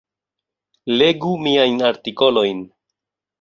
Legu miajn artikolojn.